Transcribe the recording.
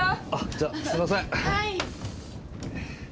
じゃあすいません。